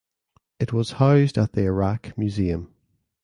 It was housed at the Iraq Museum.